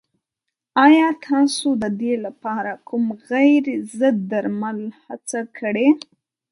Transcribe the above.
ایا تاسو د دې لپاره کوم غیر ضد درمل هڅه کړې؟